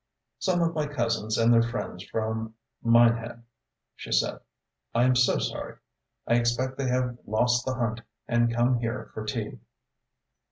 "Some of my cousins and their friends from Minehead," she said. "I am so sorry. I expect they have lost the hunt and come here for tea."